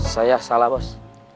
saya salah bos